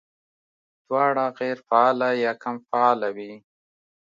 دواړه غېر فعاله يا کم فعاله وي